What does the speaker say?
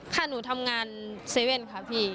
ค่ะหนูทำงาน๗๑๑ค่ะพี่